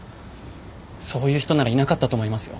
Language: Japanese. そういう人ならいなかったと思いますよ。